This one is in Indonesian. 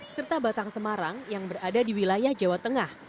serta batang semarang yang berada di wilayah jawa tengah